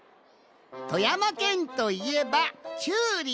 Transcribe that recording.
富山県といえば「チューリップ」！